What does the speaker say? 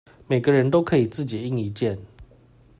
每個人都可以自己印一件